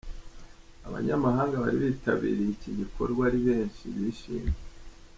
Abanyamahanga bari bitabiriye iki gikorwa ari benshi bishimye.